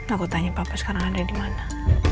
aku tanya papa sekarang ada dimana